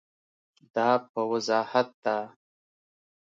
دا په وضاحت ده.